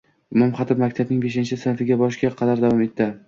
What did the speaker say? Imom Xatib maktabining beshinchi sinfiga borishiga qadar davom etdi.